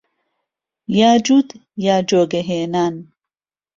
یا جووت یا جۆگە هێنان